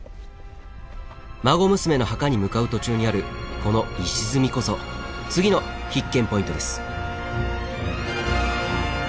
孫娘の墓に向かう途中にあるこの石積みこそ次の必見ポイントです。